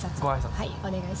はい。